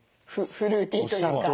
フルーティーというか。